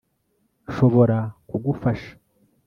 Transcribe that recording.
Nshobora kugufasha